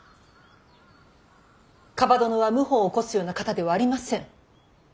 蒲殿は謀反を起こすような方ではありません。